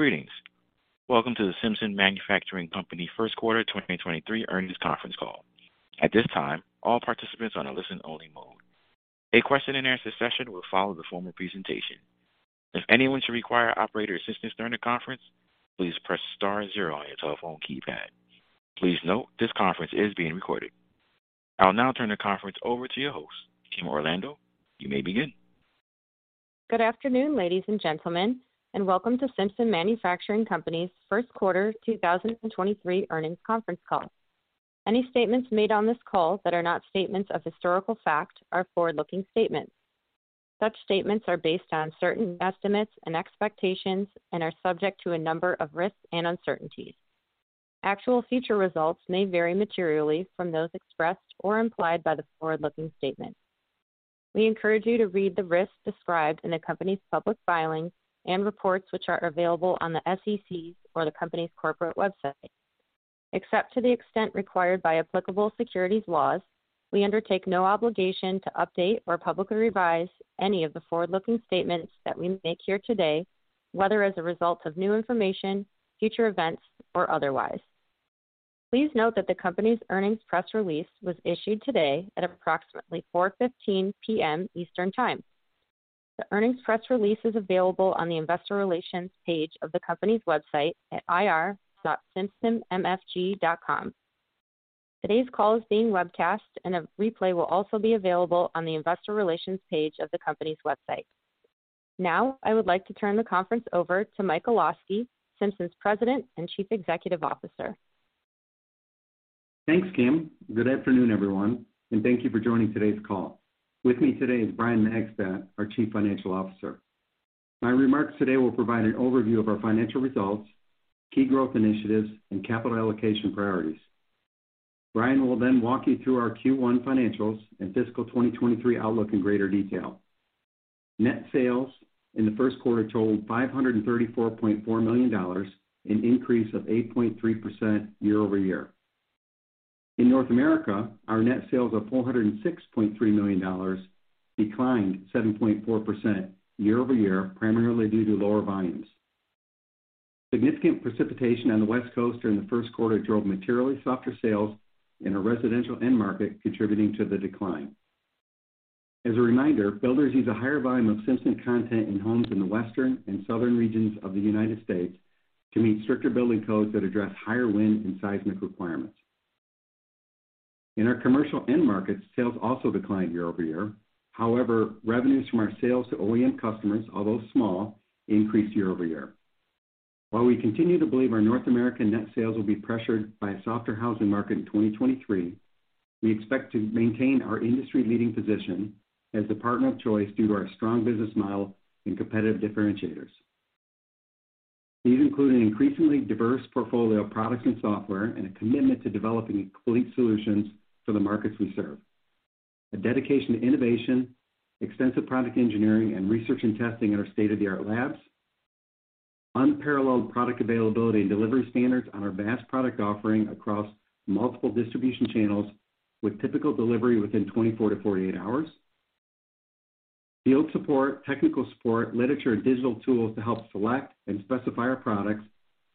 Greetings. Welcome to the Simpson Manufacturing Company first quarter 2023 earnings conference call. At this time, all participants are in a listen-only mode. A question-and-answer session will follow the formal presentation. If anyone should require operator assistance during the conference, please press star zero on your telephone keypad. Please note, this conference is being recorded. I'll now turn the conference over to your host, Kim Orlando. You may begin. Good afternoon, ladies and gentlemen, and welcome to Simpson Manufacturing Co., Inc.'s Q1 2023 earnings conference call. Any statements made on this call that are not statements of historical fact are forward-looking statements. Such statements are based on certain estimates and expectations and are subject to a number of risks and uncertainties. Actual future results may vary materially from those expressed or implied by the forward-looking statements. We encourage you to read the risks described in the company's public filings and reports, which are available on the SEC's or the company's corporate website. Except to the extent required by applicable securities laws, we undertake no obligation to update or publicly revise any of the forward-looking statements that we make here today, whether as a result of new information, future events, or otherwise. Please note that the company's earnings press release was issued today at approximately 4:15 P.M. Eastern Time. The earnings press release is available on the investor relations page of the company's website at ir.simpsonmfg.com. Today's call is being webcast, and a replay will also be available on the investor relations page of the company's website. I would like to turn the conference over to Mike Olosky, Simpson's President and Chief Executive Officer. Thanks, Kim. Good afternoon, everyone, thank you for joining today's call. With me today is Brian Magstadt, our Chief Financial Officer. My remarks today will provide an overview of our financial results, key growth initiatives, and capital allocation priorities. Brian will walk you through our Q1 financials and fiscal 2023 outlook in greater detail. Net sales in the first quarter totaled $534.4 million, an increase of 8.3% year-over-year. In North America, our net sales of $406.3 million declined 7.4% year-over-year, primarily due to lower volumes. Significant precipitation on the West Coast during the first quarter drove materially softer sales in our residential end market, contributing to the decline. As a reminder, builders use a higher volume of Simpson content in homes in the Western and Southern regions of the United States to meet stricter building codes that address higher wind and seismic requirements. In our commercial end markets, sales also declined year-over-year. Revenues from our sales to OEM customers, although small, increased year-over-year. While we continue to believe our North American net sales will be pressured by a softer housing market in 2023, we expect to maintain our industry-leading position as the partner of choice due to our strong business model and competitive differentiators. These include an increasingly diverse portfolio of products and software and a commitment to developing complete solutions for the markets we serve. A dedication to innovation, extensive product engineering, and research and testing in our state-of-the-art labs. Unparalleled product availability and delivery standards on our vast product offering across multiple distribution channels with typical delivery within 24 hours-48 hours. Field support, technical support, literature and digital tools to help select and specify our products,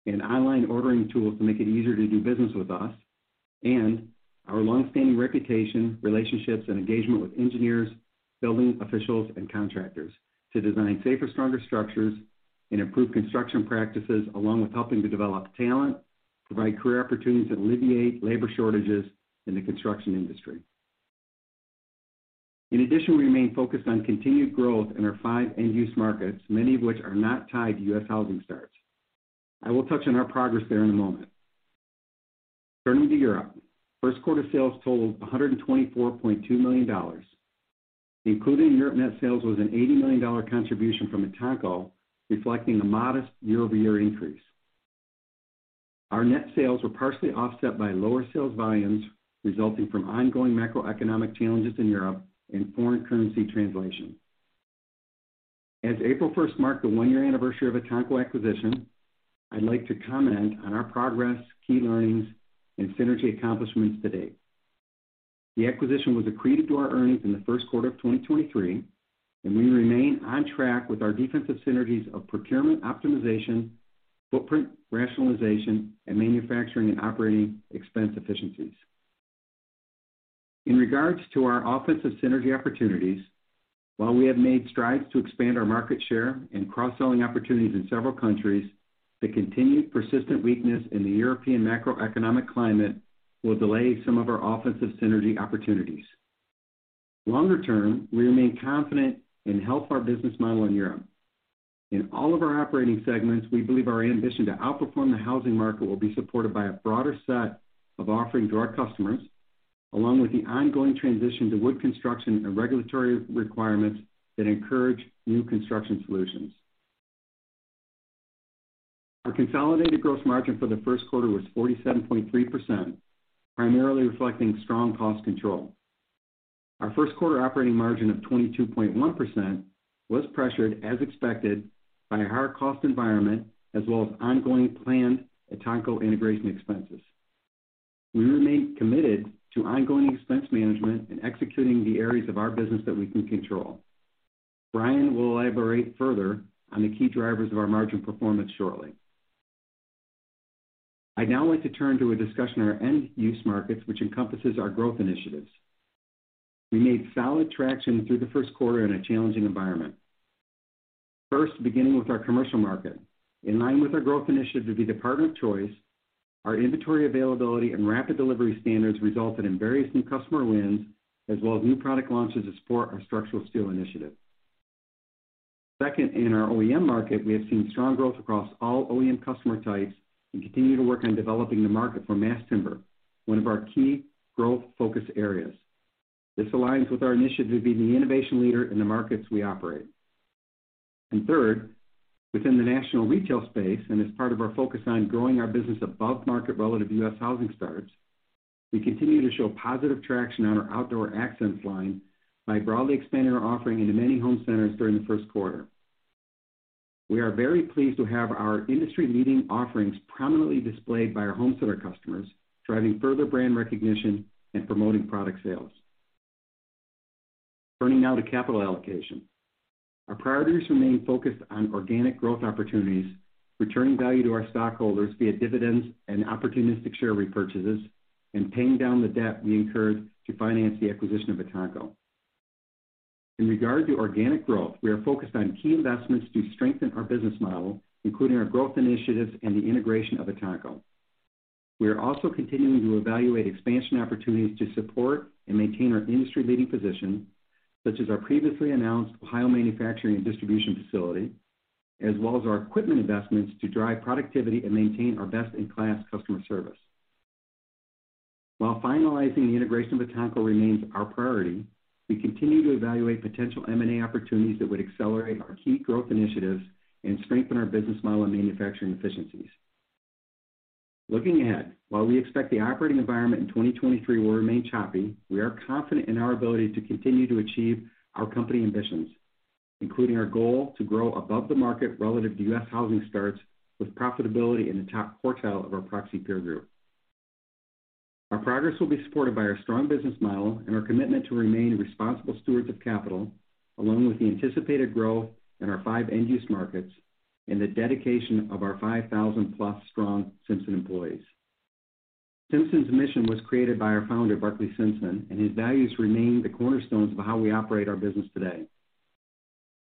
and online ordering tools to make it easier to do business with us. Our longstanding reputation, relationships, and engagement with engineers, building officials, and contractors to design safer, stronger structures and improve construction practices, along with helping to develop talent, provide career opportunities that alleviate labor shortages in the construction industry. In addition, we remain focused on continued growth in our five end-use markets, many of which are not tied to U.S. housing starts. I will touch on our progress there in a moment. Turning to Europe, first quarter sales totaled $124.2 million. Included in Europe net sales was an $80 million contribution from Etanco, reflecting a modest year-over-year increase. Our net sales were partially offset by lower sales volumes resulting from ongoing macroeconomic challenges in Europe and foreign currency translation. As April 1st marked the one-year anniversary of Etanco acquisition, I'd like to comment on our progress, key learnings, and synergy accomplishments to date. The acquisition was accreted to our earnings in the first quarter of 2023, and we remain on track with our defensive synergies of procurement optimization, footprint rationalization, and manufacturing and operating expense efficiencies. In regards to our offensive synergy opportunities, while we have made strides to expand our market share and cross-selling opportunities in several countries, the continued persistent weakness in the European macroeconomic climate will delay some of our offensive synergy opportunities. Longer term, we remain confident and health our business model in Europe. In all of our operating segments, we believe our ambition to outperform the housing market will be supported by a broader set of offerings to our customers, along with the ongoing transition to wood construction and regulatory requirements that encourage new construction solutions. Our consolidated gross margin for the first quarter was 47.3%, primarily reflecting strong cost control. Our first quarter operating margin of 22.1% was pressured, as expected, by a higher cost environment as well as ongoing planned Etanco integration expenses. We remain committed to ongoing expense management and executing the areas of our business that we can control. Brian will elaborate further on the key drivers of our margin performance shortly. I'd now like to turn to a discussion on our end use markets, which encompasses our growth initiatives. We made solid traction through the first quarter in a challenging environment. First, beginning with our commercial market. In line with our growth initiative to be the partner of choice, our inventory availability and rapid delivery standards resulted in various new customer wins, as well as new product launches to support our structural steel initiative. Second, in our OEM market, we have seen strong growth across all OEM customer types and continue to work on developing the market for mass timber, one of our key growth focus areas. This aligns with our initiative to be the innovation leader in the markets we operate. Third, within the national retail space and as part of our focus on growing our business above market relative to U.S. housing starts, we continue to show positive traction on our Outdoor Accents line by broadly expanding our offering into many home centers during the first quarter. We are very pleased to have our industry-leading offerings prominently displayed by our home center customers, driving further brand recognition and promoting product sales. Turning now to capital allocation. Our priorities remain focused on organic growth opportunities, returning value to our stockholders via dividends and opportunistic share repurchases, and paying down the debt we incurred to finance the acquisition of Etanco. In regard to organic growth, we are focused on key investments to strengthen our business model, including our growth initiatives and the integration of Etanco. We are also continuing to evaluate expansion opportunities to support and maintain our industry-leading position, such as our previously announced Ohio manufacturing and distribution facility, as well as our equipment investments to drive productivity and maintain our best-in-class customer service. While finalizing the integration of Etanco remains our priority, we continue to evaluate potential M&A opportunities that would accelerate our key growth initiatives and strengthen our business model and manufacturing efficiencies. Looking ahead, while we expect the operating environment in 2023 will remain choppy, we are confident in our ability to continue to achieve our company ambitions, including our goal to grow above the market relative to U.S. housing starts with profitability in the top quartile of our proxy peer group. Our progress will be supported by our strong business model and our commitment to remain responsible stewards of capital, along with the anticipated growth in our five end-use markets and the dedication of our 5,000+ strong Simpson employees. Simpson's mission was created by our founder, Barclay Simpson, and his values remain the cornerstones of how we operate our business today.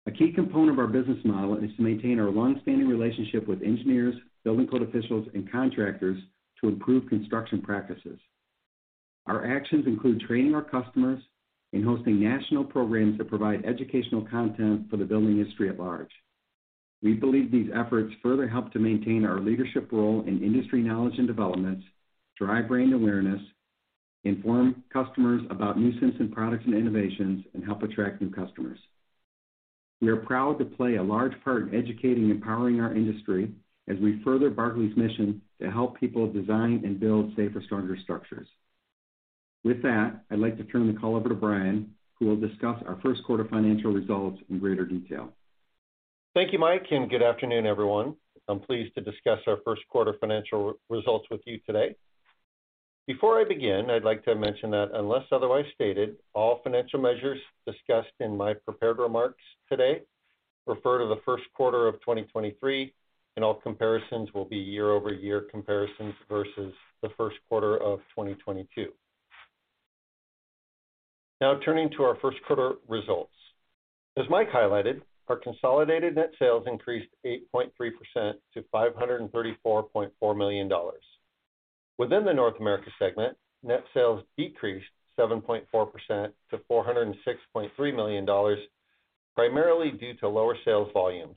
A key component of our business model is to maintain our long-standing relationship with engineers, building code officials, and contractors to improve construction practices. Our actions include training our customers and hosting national programs that provide educational content for the building industry at large. We believe these efforts further help to maintain our leadership role in industry knowledge and development, drive brand awareness, inform customers about new Simpson products and innovations, and help attract new customers. We are proud to play a large part in educating and empowering our industry as we further Barclay's mission to help people design and build safer, stronger structures. With that, I'd like to turn the call over to Brian, who will discuss our first quarter financial results in greater detail. Thank you, Mike. Good afternoon, everyone. I'm pleased to discuss our first quarter financial results with you today. Before I begin, I'd like to mention that unless otherwise stated, all financial measures discussed in my prepared remarks today refer to the first quarter of 2023, and all comparisons will be year-over-year comparisons versus the first quarter of 2022. Turning to our first quarter results. As Mike highlighted, our consolidated net sales increased 8.3% to $534.4 million. Within the North America segment, net sales decreased 7.4% to $406.3 million, primarily due to lower sales volumes.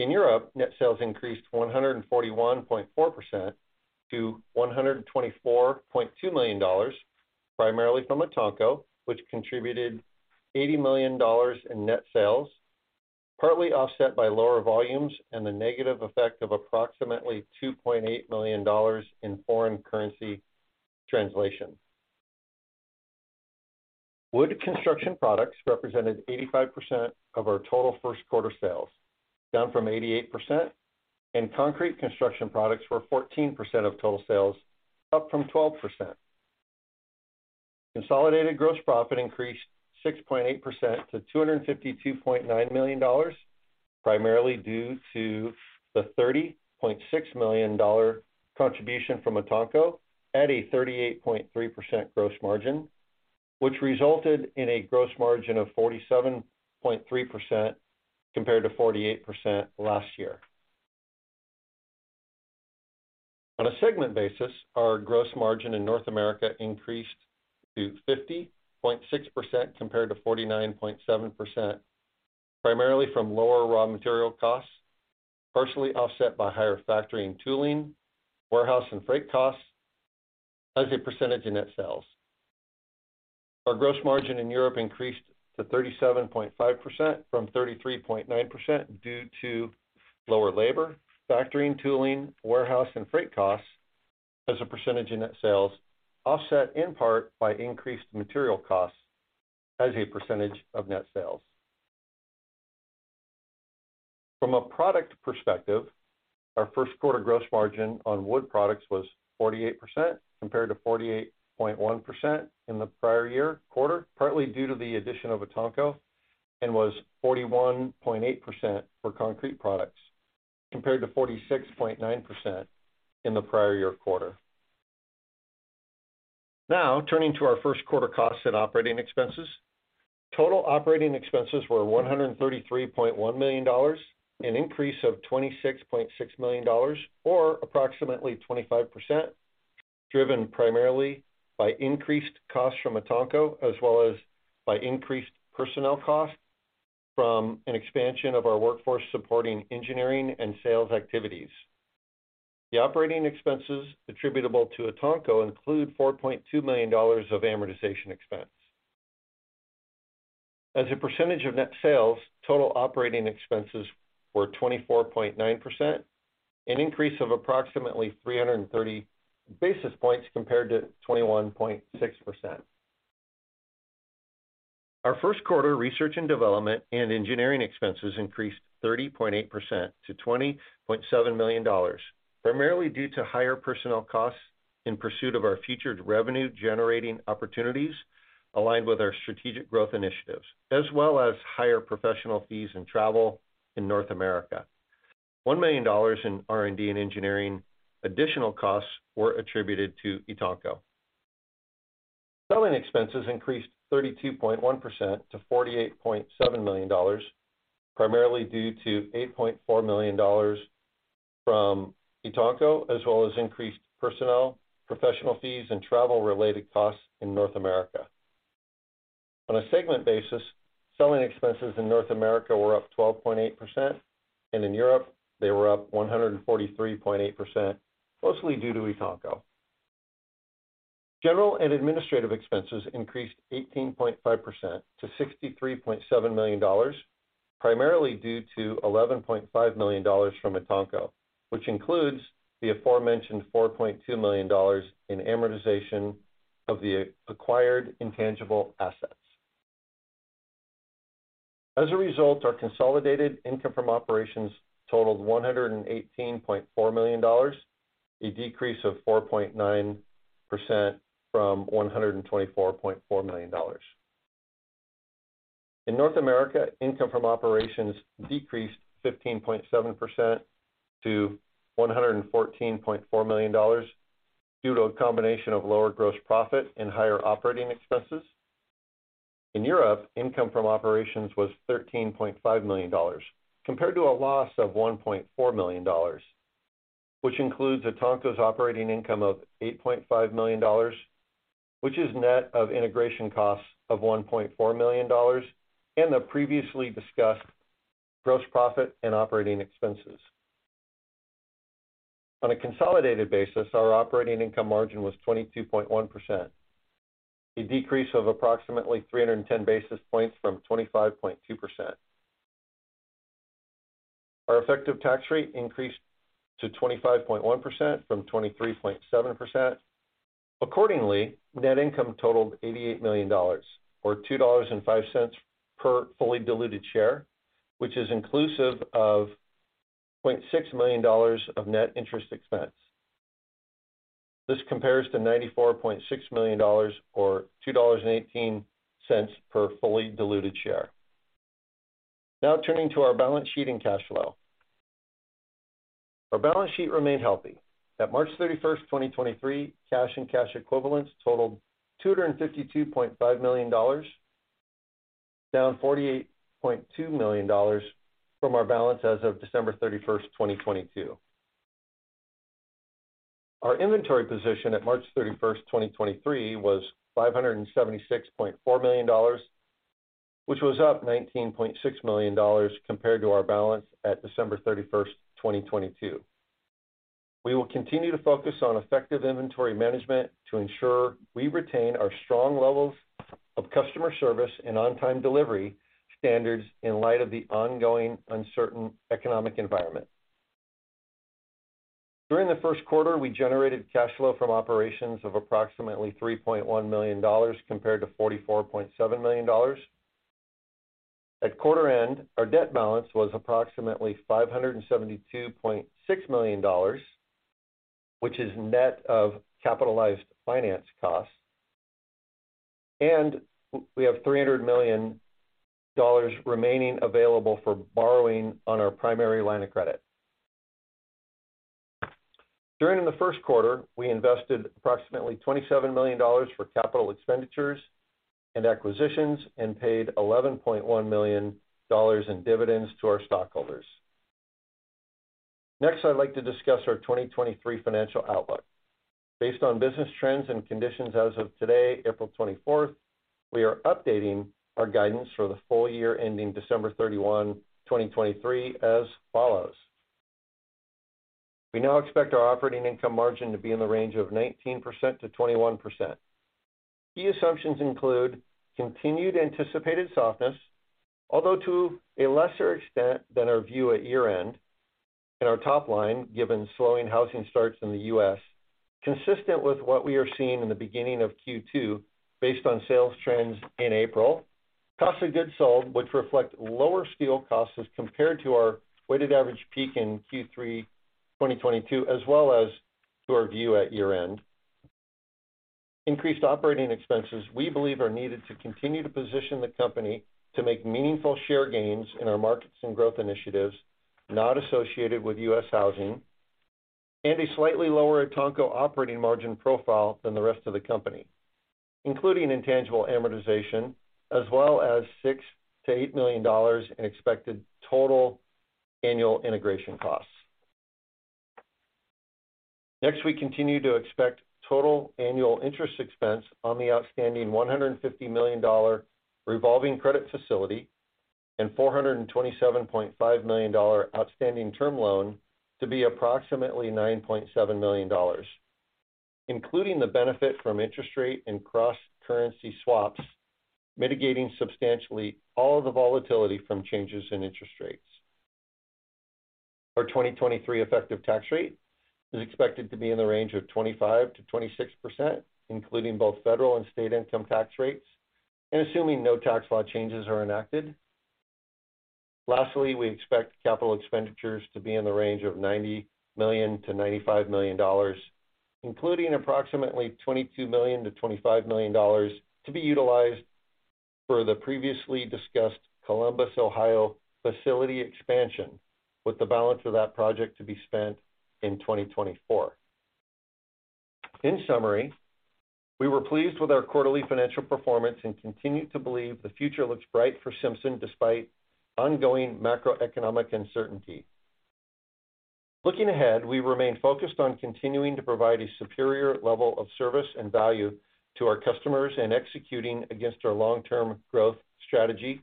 In Europe, net sales increased 141.4% to $124.2 million, primarily from Etanco, which contributed $80 million in net sales, partly offset by lower volumes and the negative effect of approximately $2.8 million in foreign currency translation. Wood construction products represented 85% of our total first quarter sales, down from 88%, and concrete construction products were 14% of total sales, up from 12%. Consolidated gross profit increased 6.8% to $252.9 million, primarily due to the $30.6 million contribution from Etanco at a 38.3% gross margin, which resulted in a gross margin of 47.3% compared to 48% last year. On a segment basis, our gross margin in North America increased to 50.6% compared to 49.7%, primarily from lower raw material costs, partially offset by higher factory and tooling, warehouse and freight costs as a percentage in net sales. Our gross margin in Europe increased to 37.5% from 33.9% due to lower labor, factory and tooling, warehouse and freight costs as a percentage in net sales, offset in part by increased material costs as a percentage of net sales. From a product perspective, our first quarter gross margin on wood products was 48% compared to 48.1% in the prior year quarter, partly due to the addition of Etanco, and was 41.8% for concrete products, compared to 46.9% in the prior year quarter. Turning to our first quarter costs and operating expenses. Total operating expenses were $133.1 million, an increase of $26.6 million or approximately 25%, driven primarily by increased costs from Etanco, as well as by increased personnel costs from an expansion of our workforce supporting engineering and sales activities. The operating expenses attributable to Etanco include $4.2 million of amortization expense. As a percentage of net sales, total operating expenses were 24.9%, an increase of approximately 330 basis points compared to 21.6%. Our first quarter research and development and engineering expenses increased 30.8% to $20.7 million, primarily due to higher personnel costs in pursuit of our future revenue-generating opportunities aligned with our strategic growth initiatives, as well as higher professional fees and travel in North America. $1 million in R&D and engineering additional costs were attributed to Etanco. Selling expenses increased 32.1% to $48.7 million, primarily due to $8.4 million from Etanco, as well as increased personnel, professional fees, and travel-related costs in North America. On a segment basis, selling expenses in North America were up 12.8%, and in Europe they were up 143.8%, mostly due to Etanco. General and administrative expenses increased 18.5% to $63.7 million, primarily due to $11.5 million from Etanco, which includes the aforementioned $4.2 million in amortization of the acquired intangible assets. As a result, our consolidated income from operations totaled $118.4 million, a decrease of 4.9% from $124.4 million. In North America, income from operations decreased 15.7% to $114.4 million due to a combination of lower gross profit and higher operating expenses. In Europe, income from operations was $13.5 million compared to a loss of $1.4 million, which includes Etanco's operating income of $8.5 million, which is net of integration costs of $1.4 million and the previously discussed gross profit and operating expenses. On a consolidated basis, our operating income margin was 22.1%, a decrease of approximately 310 basis points from 25.2%. Our effective tax rate increased to 25.1% from 23.7%. Accordingly, net income totaled $88 million or $2.05 per fully diluted share, which is inclusive of $0.6 million of net interest expense. This compares to $94.6 million or $2.18 per fully diluted share. Turning to our balance sheet and cash flow. Our balance sheet remained healthy. At March 31st, 2023, cash and cash equivalents totaled $252.5 million, down $48.2 million from our balance as of December 31st, 2022. Our inventory position at March 31, 2023, was $576.4 million, which was up $19.6 million compared to our balance at December 31st, 2022. We will continue to focus on effective inventory management to ensure we retain our strong levels of customer service and on-time delivery standards in light of the ongoing uncertain economic environment. During the first quarter, we generated cash flow from operations of approximately $3.1 million compared to $44.7 million. At quarter end, our debt balance was approximately $572.6 million, which is net of capitalized finance costs. We have $300 million remaining available for borrowing on our primary line of credit. During the first quarter, we invested approximately $27 million for capital expenditures and acquisitions and paid $11.1 million in dividends to our stockholders. Next, I'd like to discuss our 2023 financial outlook. Based on business trends and conditions as of today, April 24th, we are updating our guidance for the full year ending December 31st, 2023 as follows. We now expect our operating income margin to be in the range of 19%-21%. Key assumptions include continued anticipated softness, although to a lesser extent than our view at year-end. In our top line, given slowing housing starts in the U.S., consistent with what we are seeing in the beginning of Q2 based on sales trends in April. Cost of goods sold, which reflect lower steel costs as compared to our weighted average peak in Q3 2022, as well as to our view at year-end. Increased operating expenses, we believe, are needed to continue to position the company to make meaningful share gains in our markets and growth initiatives not associated with U.S. housing, a slightly lower Etanco operating margin profile than the rest of the company, including intangible amortization as well as $6 million-$8 million in expected total annual integration costs. Next, we continue to expect total annual interest expense on the outstanding $150 million revolving credit facility and $427.5 million outstanding term loan to be approximately $9.7 million, including the benefit from interest rate and cross-currency swaps, mitigating substantially all the volatility from changes in interest rates. Our 2023 effective tax rate is expected to be in the range of 25%-26%, including both federal and state income tax rates and assuming no tax law changes are enacted. Lastly, we expect capital expenditures to be in the range of $90 million-$95 million, including approximately $22 million-$25 million to be utilized for the previously discussed Columbus, Ohio, facility expansion, with the balance of that project to be spent in 2024. In summary, we were pleased with our quarterly financial performance and continue to believe the future looks bright for Simpson despite ongoing macroeconomic uncertainty. Looking ahead, we remain focused on continuing to provide a superior level of service and value to our customers and executing against our long-term growth strategy,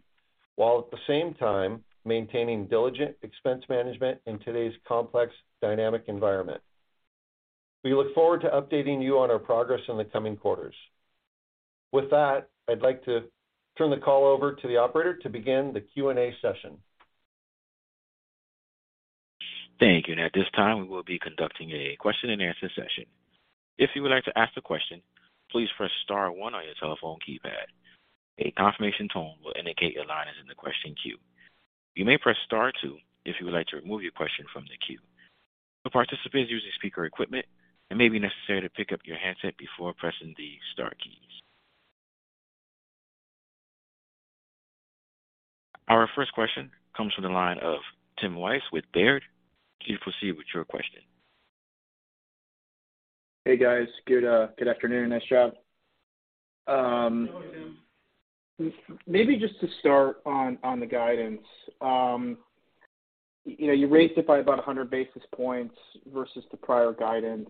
while at the same time maintaining diligent expense management in today's complex dynamic environment. We look forward to updating you on our progress in the coming quarters. With that, I'd like to turn the call over to the operator to begin the Q&A session. Thank you. At this time, we will be conducting a question-and-answer session. If you would like to ask a question, please press star one on your telephone keypad. A confirmation tone will indicate your line is in the question queue. You may press star two if you would like to remove your question from the queue. For participants using speaker equipment, it may be necessary to pick up your handset before pressing the star keys. Our first question comes from the line of Timothy Wojs with Baird. Please proceed with your question. Hey, guys. Good, good afternoon. Nice job. Good morning, Tim. Maybe just to start on the guidance. you know, you raised it by about 100 basis points versus the prior guidance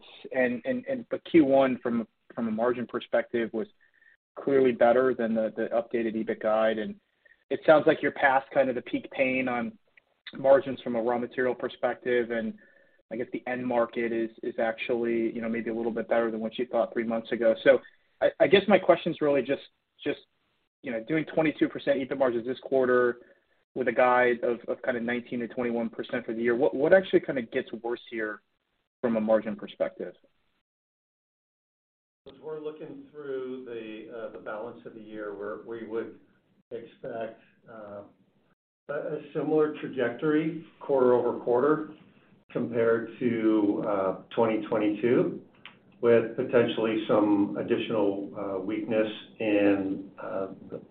but Q1 from a margin perspective was clearly better than the updated EBIT guide. It sounds like you're past kind of the peak pain on margins from a raw material perspective, and I guess the end market is actually, you know, maybe a little bit better than what you thought three months ago. I guess my question is really just, you know, doing 22% EBIT margins this quarter with a guide of kind of 19%-21% for the year, what actually kind of gets worse here from a margin perspective? As we're looking through the balance of the year, we would expect a similar trajectory quarter-over-quarter compared to 2022, with potentially some additional weakness in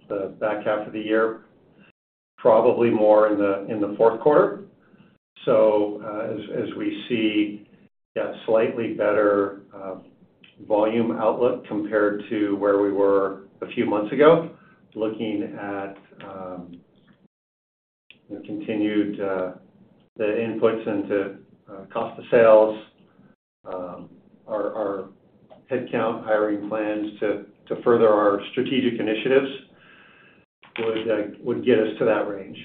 the back half of the year, probably more in the fourth quarter. As we see that slightly better volume outlook compared to where we were a few months ago, looking at, you know, continued the inputs into cost of sales, our headcount hiring plans to further our strategic initiatives would get us to that range.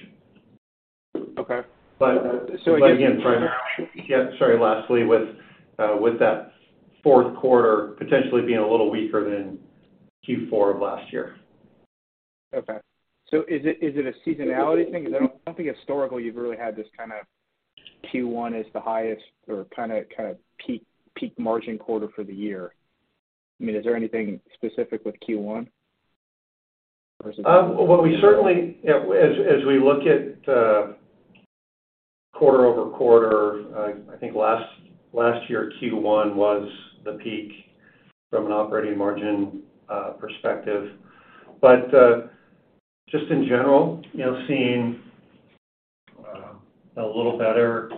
Okay. Again, sorry. Lastly, with that fourth quarter potentially being a little weaker than Q4 of last year. Is it a seasonality thing? 'Cause I don't think historically you've really had this kinda Q1 is the highest or kinda peak margin quarter for the year. I mean, is there anything specific with Q1? Well, we certainly... You know, as we look at quarter-over-quarter, I think last year, Q1 was the peak from an operating margin perspective. Just in general, you know, seeing a little better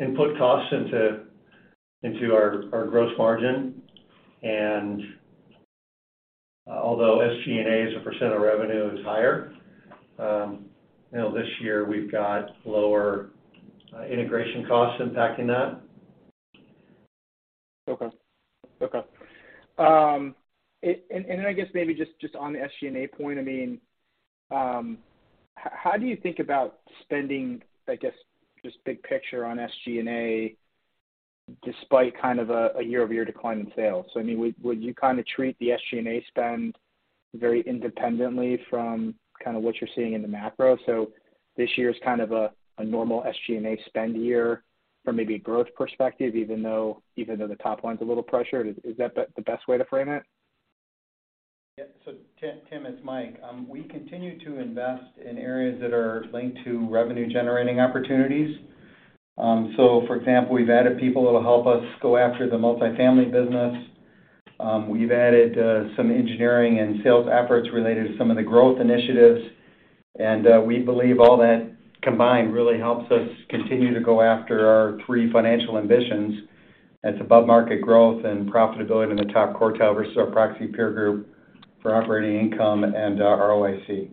input costs into our gross margin. Although SG&A as a % of revenue is higher, you know, this year we've got lower integration costs impacting that. Okay. Okay. And I guess maybe just on the SG&A point, I mean, how do you think about spending, I guess, just big picture on SG&A, despite kind of a year-over-year decline in sales? I mean, would you kinda treat the SG&A spend very independently from kinda what you're seeing in the macro? This year is kind of a normal SG&A spend year from maybe a growth perspective, even though the top line's a little pressured. Is that the best way to frame it? Yeah. Tim, it's Mike. We continue to invest in areas that are linked to revenue-generating opportunities. For example, we've added people that'll help us go after the multifamily business. We've added some engineering and sales efforts related to some of the growth initiatives. We believe all that combined really helps us continue to go after our three financial ambitions. That's above-market growth and profitability in the top quartile versus our proxy peer group for operating income and ROIC.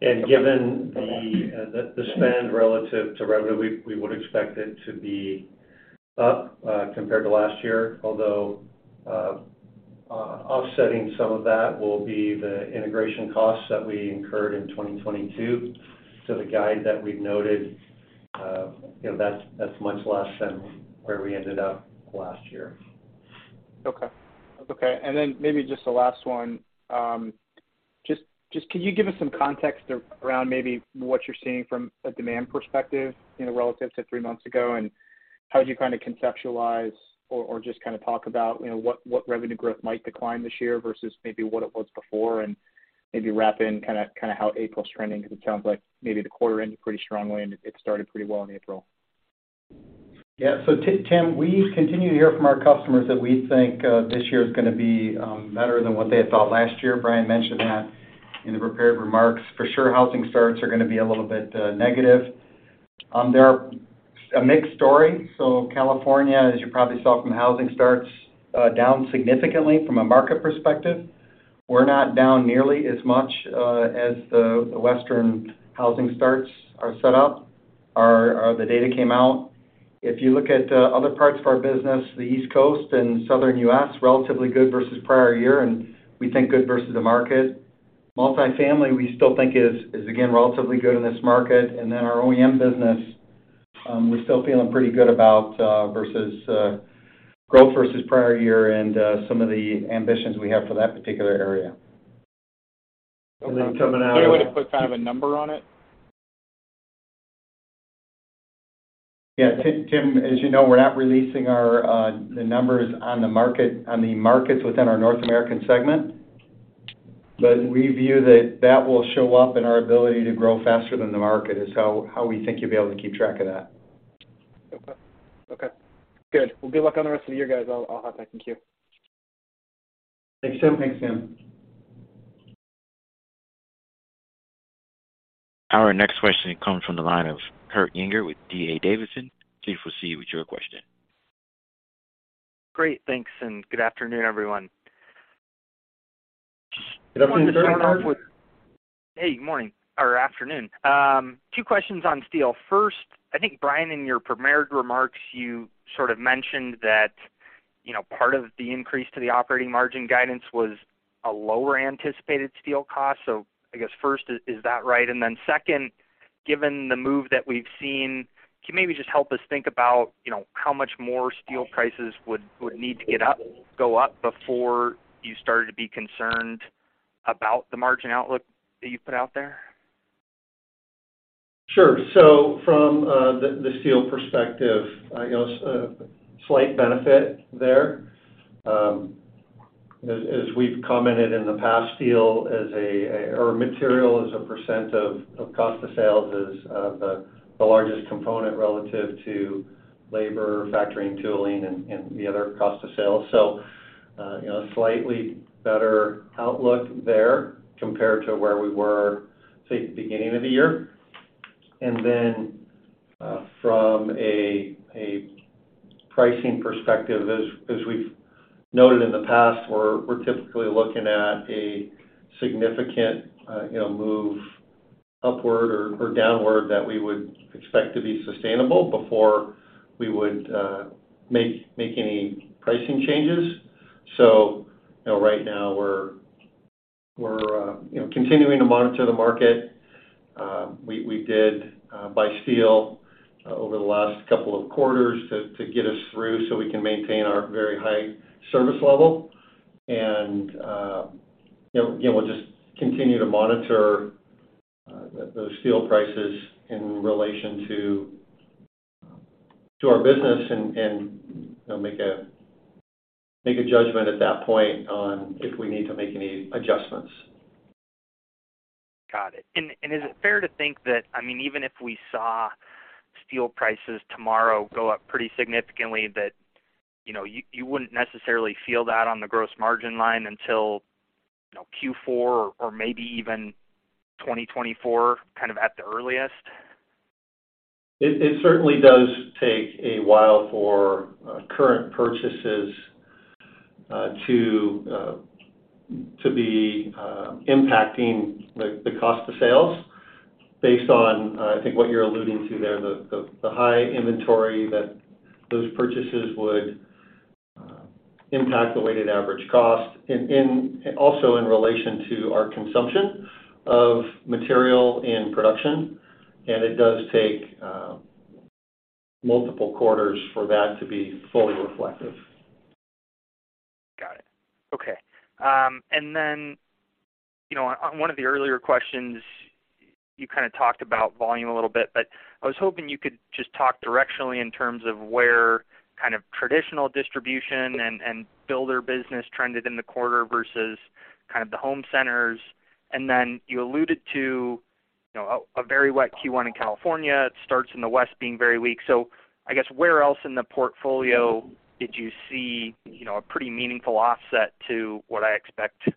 Given the spend relative to revenue, we would expect it to be up compared to last year. Although offsetting some of that will be the integration costs that we incurred in 2022. The guide that we've noted, you know, that's much less than where we ended up last year. Okay. Okay. Maybe just a last one. just can you give us some context around maybe what you're seeing from a demand perspective, you know, relative to three months ago, and how do you kind of conceptualize or just kind of talk about, you know, what revenue growth might decline this year versus maybe what it was before, and maybe wrap in kinda how April's trending 'cause it sounds like maybe the quarter ended pretty strongly, and it started pretty well in April. Yeah. Tim, we continue to hear from our customers that we think this year is gonna be better than what they had thought last year. Brian mentioned that in the prepared remarks. For sure, housing starts are gonna be a little bit negative. They're a mixed story. California, as you probably saw from housing starts, down significantly from a market perspective. We're not down nearly as much as the Western housing starts are set up. Our the data came out. If you look at other parts of our business, the East Coast and Southern U.S., relatively good versus prior year, and we think good versus the market. Multifamily, we still think is again, relatively good in this market. Then our OEM business, we're still feeling pretty good about versus growth versus prior year and some of the ambitions we have for that particular area. Coming out of. Is there any way to put kind of a number on it? Yeah. Tim, as you know, we're not releasing our the numbers on the markets within our North American segment. We view that that will show up in our ability to grow faster than the market is how we think you'll be able to keep track of that. Okay. Okay. Good. Well, good luck on the rest of the year, guys. I'll hop back in queue. Thanks, Tim. Thanks, Tim. Our next question comes from the line of Kurt Yinger with D.A. Davidson. Please proceed with your question. Great. Thanks. Good afternoon, everyone. Good afternoon, sir. Hey, good morning or afternoon. Two questions on steel. First, I think, Brian, in your prepared remarks, you sort of mentioned that, you know, part of the increase to the operating margin guidance was a lower anticipated steel cost. I guess first, is that right? Second, given the move that we've seen, can you maybe just help us think about, you know, how much more steel prices would need to go up before you started to be concerned about the margin outlook that you put out there? Sure. From the steel perspective, slight benefit there. As we've commented in the past, steel or material is a % of cost of sales is the largest component relative to labor, factoring, tooling and the other cost of sales. Slightly better outlook there compared to where we were, say, beginning of the year. From a pricing perspective, as we've noted in the past, we're typically looking at a significant move upward or downward that we would expect to be sustainable before we would make any pricing changes. Right now we're continuing to monitor the market. We did buy steel over the last couple of quarters to get us through so we can maintain our very high service level. You know, we'll just continue to monitor those steel prices in relation to our business and, you know, make a judgment at that point on if we need to make any adjustments. Got it. Is it fair to think that, I mean, even if we saw steel prices tomorrow go up pretty significantly, that, you know, you wouldn't necessarily feel that on the gross margin line until, you know, Q4 or maybe even 2024 kind of at the earliest? It certainly does take a while for current purchases to be impacting the cost of sales based on I think what you're alluding to there, the high inventory that those purchases would. Impact the weighted average cost in, also in relation to our consumption of material and production. It does take multiple quarters for that to be fully reflective. Got it. Okay. you know, on one of the earlier questions, you kind of talked about volume a little bit, but I was hoping you could just talk directionally in terms of where kind of traditional distribution and builder business trended in the quarter versus kind of the home centers. you alluded to, you know, a very wet Q1 in California. It starts in the West being very weak. I guess, where else in the portfolio did you see, you know, a pretty meaningful offset to what I expect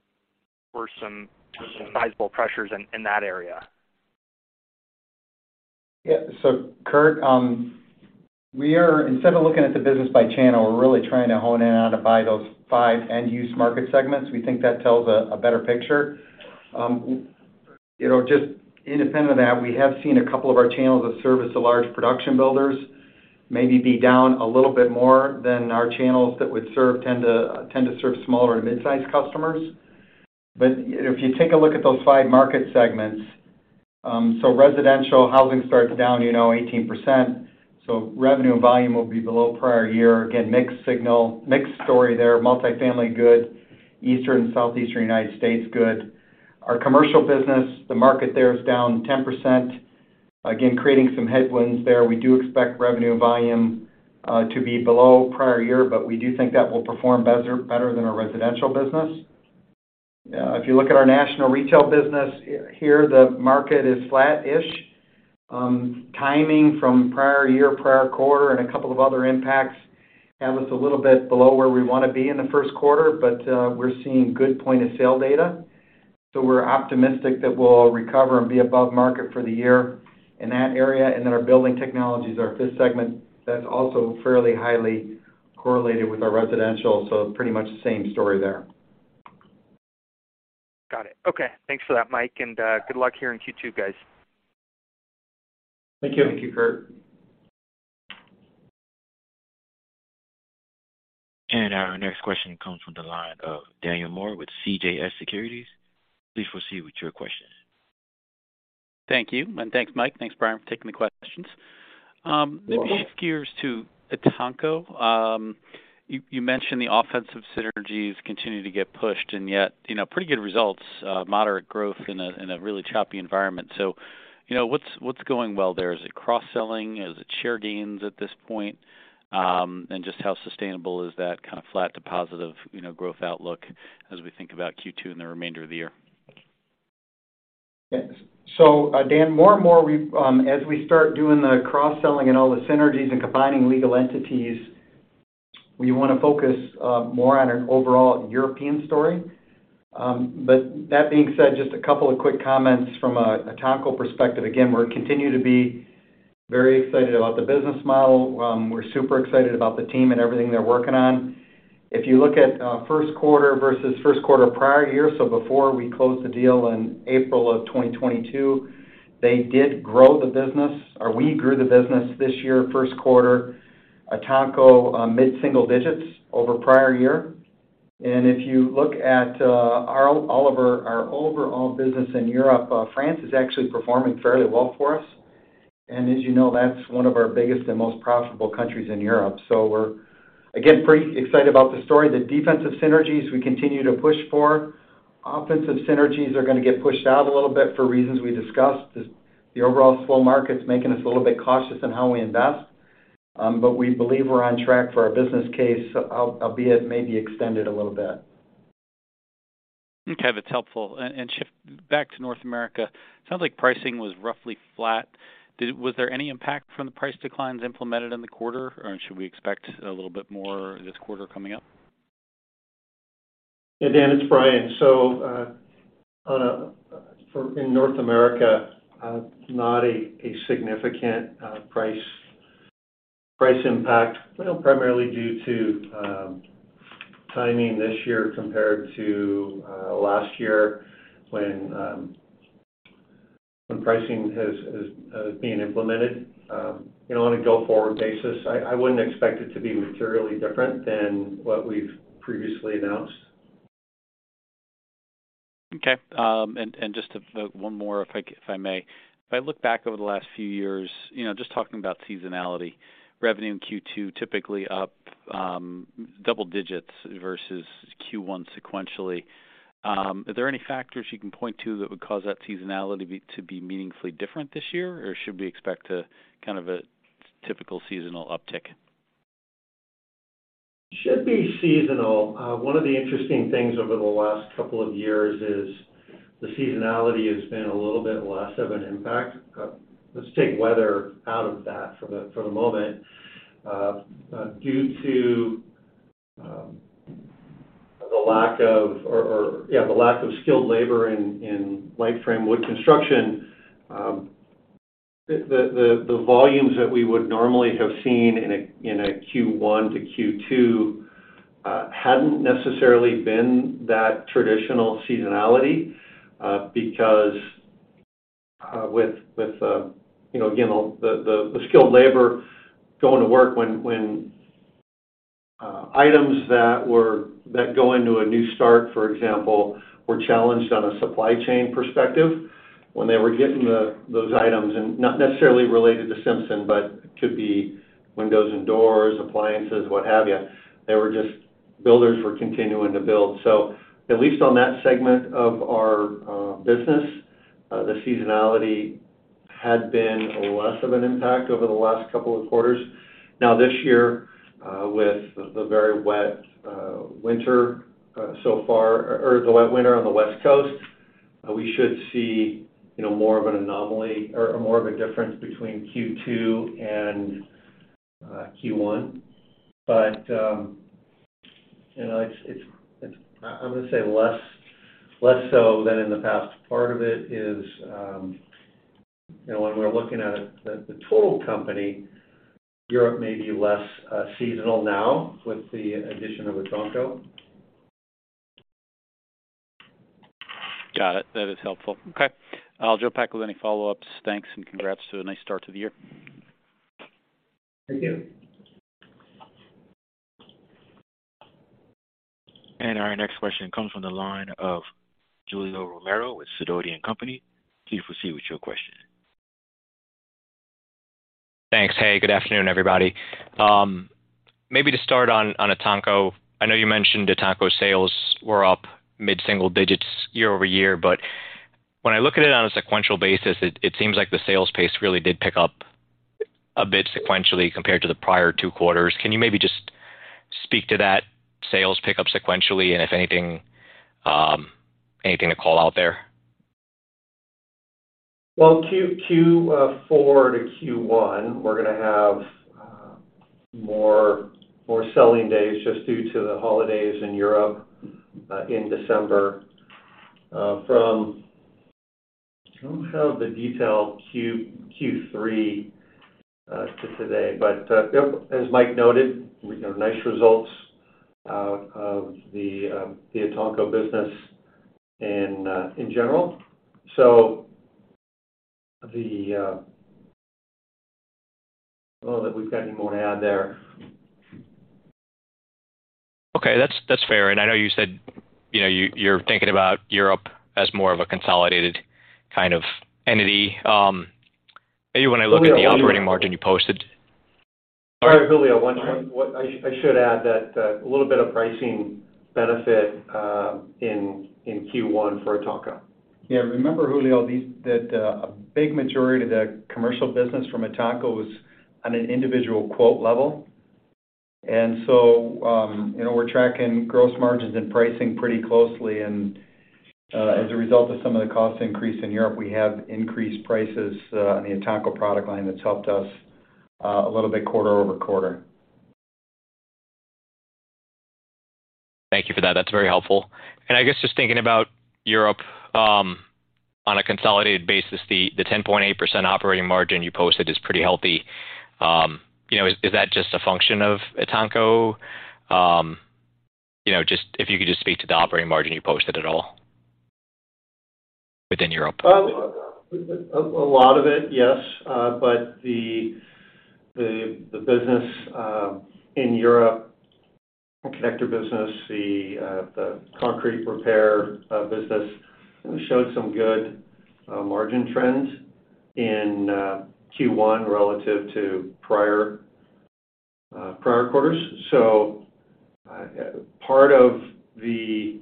were some sizable pressures in that area? Yeah. Kurt, we are, instead of looking at the business by channel, we're really trying to hone in on by those five end-use market segments. We think that tells a better picture. You know, just independent of that, we have seen a couple of our channels that service the large production builders maybe be down a little bit more than our channels that would tend to serve smaller mid-size customers. If you take a look at those five market segments, residential housing starts down, you know, 18%, so revenue volume will be below prior year. Again, mixed signal, mixed story there. Multifamily, good. Eastern, Southeastern United States, good. Our commercial business, the market there is down 10%, again, creating some headwinds there. We do expect revenue volume to be below prior year, but we do think that will perform better than our residential business. If you look at our national retail business, here the market is flat-ish. Timing from prior year, prior quarter and a couple of other impacts have us a little bit below where we wanna be in the first quarter, but we're seeing good point of sale data. We're optimistic that we'll recover and be above market for the year in that area. Our building technologies, our fifth segment, that's also fairly highly correlated with our residential, so pretty much the same story there. Got it. Okay. Thanks for that, Mike. Good luck here in Q2, guys. Thank you. Thank you, Kurt. Our next question comes from the line of Daniel Moore with CJS Securities. Please proceed with your question. Thank you. Thanks, Mike. Thanks, Brian, for taking the questions. Maybe it gears to the Etanco. You mentioned the offensive synergies continue to get pushed, and yet, you know, pretty good results, moderate growth in a really choppy environment. You know, what's going well there? Is it cross-selling? Is it share gains at this point? Just how sustainable is that kind of flat to positive, you know, growth outlook as we think about Q2 and the remainder of the year? Yes. Dan, more and more we, as we start doing the cross-selling and all the synergies and combining legal entities, we wanna focus more on an overall European story. That being said, just a couple of quick comments from a Etanco perspective. Again, we're continue to be very excited about the business model. We're super excited about the team and everything they're working on. If you look at first quarter versus first quarter prior year, so before we closed the deal in April of 2022, they did grow the business, or we grew the business this year, first quarter. Etanco mid-single digits over prior year. If you look at all of our overall business in Europe, France is actually performing fairly well for us. As you know, that's one of our biggest and most profitable countries in Europe. We're, again, pretty excited about the story. The defensive synergies we continue to push for. Offensive synergies are gonna get pushed out a little bit for reasons we discussed. Just the overall slow market's making us a little bit cautious in how we invest. We believe we're on track for our business case, albeit maybe extended a little bit. Okay. That's helpful. Shift back to North America. Sounds like pricing was roughly flat. Was there any impact from the price declines implemented in the quarter? Should we expect a little bit more this quarter coming up? Dan, it's Brian. In North America, not a significant price impact, you know, primarily due to timing this year compared to last year when pricing has been implemented. You know, on a go-forward basis, I wouldn't expect it to be materially different than what we've previously announced. Okay. And just one more if I, if I may. If I look back over the last few years, you know, just talking about seasonality, revenue in Q2 typically up, double digits versus Q1 sequentially. Are there any factors you can point to that would cause that seasonality to be meaningfully different this year? Or should we expect a, kind of a typical seasonal uptick? Should be seasonal. One of the interesting things over the last two years is the seasonality has been a little bit less of an impact. Let's take weather out of that for the moment. Due to the lack of or, yeah, the lack of skilled labor in light frame wood construction, the volumes that we would normally have seen in a Q1 to Q2, hadn't necessarily been that traditional seasonality, because With, you know, again, the skilled labor going to work when items that go into a new start, for example, were challenged on a supply chain perspective when they were getting the, those items and not necessarily related to Simpson, but could be windows and doors, appliances, what have you. They were just... builders were continuing to build. At least on that segment of our business, the seasonality had been less of an impact over the last couple of quarters. This year, with the very wet winter so far, or the wet winter on the West Coast, we should see, you know, more of an anomaly or more of a difference between Q2 and Q1. You know, it's I'm gonna say less so than in the past. Part of it is, you know, when we're looking at the total company, Europe may be less seasonal now with the addition of Etanco. Got it. That is helpful. Okay. I'll jump back with any follow-ups. Thanks, and congrats to a nice start to the year. Thank you. Our next question comes from the line of Julio Romero with Sidoti & Company. Please proceed with your question. Thanks. Hey, good afternoon, everybody. Maybe to start on Etanco. I know you mentioned Etanco sales were up mid-single digits year-over-year, but when I look at it on a sequential basis, it seems like the sales pace really did pick up a bit sequentially compared to the prior two quarters. Can you maybe just speak to that sales pickup sequentially and if anything to call out there? Well, Q4 to Q1, we're going to have more selling days just due to the holidays in Europe in December. I don't have the detailed Q3 to today, but as Mike noted, you know, nice results out of the Etanco business in general. I don't know that we've got any more to add there. Okay. That's fair. I know you said, you know, you're thinking about Europe as more of a consolidated kind of entity. Maybe when I look at the operating margin you posted- All right, Julio. One thing, what I should add that a little bit of pricing benefit in Q1 for Etanco. Yeah. Remember, Julio, that a big majority of the commercial business from Etanco was on an individual quote level. You know, we're tracking gross margins and pricing pretty closely. As a result of some of the cost increase in Europe, we have increased prices on the Etanco product line. That's helped us a little bit quarter-over-quarter. Thank you for that. That's very helpful. I guess just thinking about Europe, on a consolidated basis, the 10.8% operating margin you posted is pretty healthy. You know, is that just a function of Etanco? You know, just if you could just speak to the operating margin you posted at all within Europe. lot of it, yes. The business in Europe, the connector business, the concrete repair business showed some good margin trends in Q1 relative to prior prior quarters. Part of the, you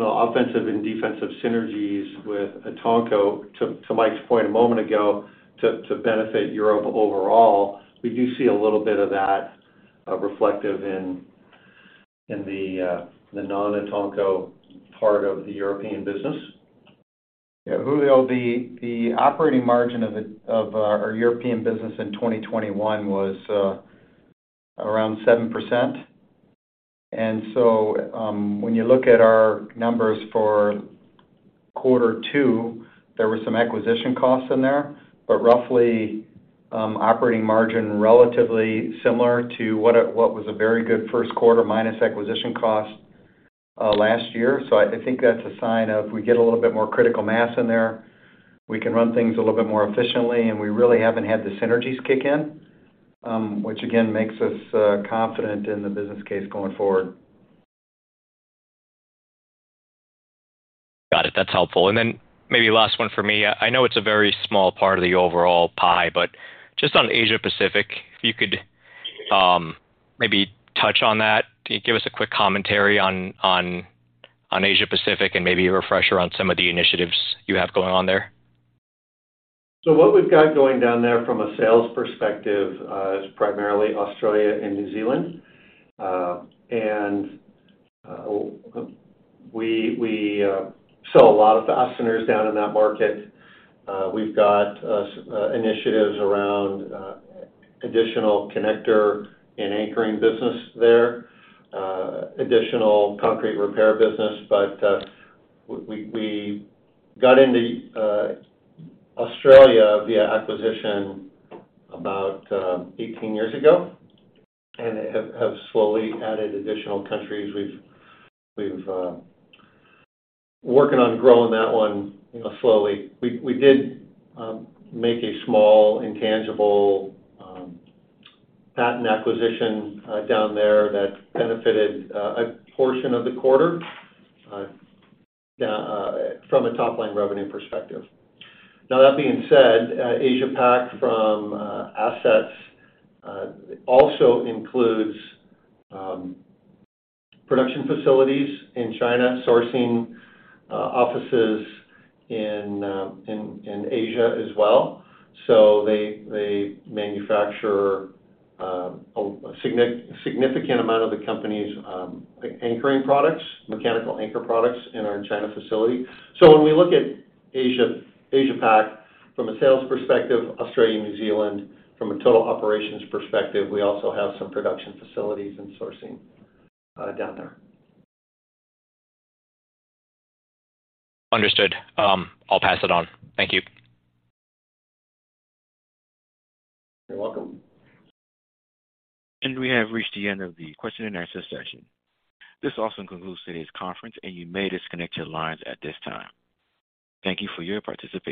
know, offensive and defensive synergies with Etanco, Mike's point a moment ago, benefit Europe overall, we do see a little bit of that reflective in the non-Etanco part of the European business. Yeah, Julio, the operating margin of our European business in 2021 was around 7%. When you look at our numbers for quarter two, there were some acquisition costs in there, but roughly, operating margin relatively similar to what was a very good first quarter minus acquisition cost last year. I think that's a sign of we get a little bit more critical mass in there, we can run things a little bit more efficiently, and we really haven't had the synergies kick in, which again, makes us confident in the business case going forward. Got it. That's helpful. Then maybe last one for me. I know it's a very small part of the overall pie, but just on Asia-Pacific, if you could, maybe touch on that. Give us a quick commentary on Asia-Pacific and maybe a refresher on some of the initiatives you have going on there. What we've got going down there from a sales perspective is primarily Australia and New Zealand. We sell a lot of fasteners down in that market. We've got initiatives around additional connector and anchoring business there, additional concrete repair business. We got into Australia via acquisition about 18 years ago and have slowly added additional countries. We've working on growing that one, you know, slowly. We did make a small intangible patent acquisition down there that benefited a portion of the quarter from a top-line revenue perspective. That being said, Asia-Pac from assets also includes production facilities in China, sourcing offices in Asia as well. They manufacture significant amount of the company's anchoring products, mechanical anchor products in our China facility. When we look at Asia-Pac from a sales perspective, Australia, New Zealand, from a total operations perspective, we also have some production facilities and sourcing down there. Understood. I'll pass it on. Thank you. You're welcome. We have reached the end of the question and answer session. This also concludes today's conference, and you may disconnect your lines at this time. Thank you for your participation.